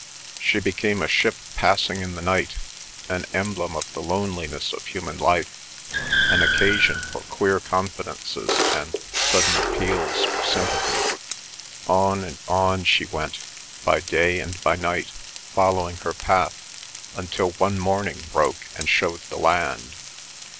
She became a ship passing in the night—an emblem of the loneliness of human life, an occasion for queer confidences and sudden appeals for sympathy. On and on she went, by day and by night, following her path, until one morning broke and showed the land.